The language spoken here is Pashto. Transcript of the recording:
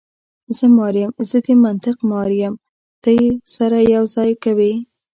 زه مار یم، زه د منطق مار یم، ته یې سره یو ځای کوې.